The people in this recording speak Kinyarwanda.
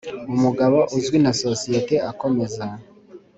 umugabo azwi na sosiyete akomeza.